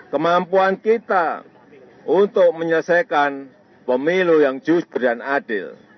kemampuan kita untuk menyelesaikan pemilu yang justru dan adil